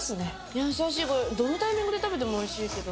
優しい、どのタイミングで食べてもおいしいけど。